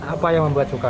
apa yang membuat suka